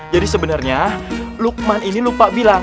jadi sebenernya lukman ini lupa bilang